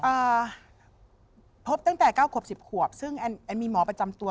อ่าเพราะตั้งแต่๙๑๐ขวบซึ่งมีหมอประจำตัว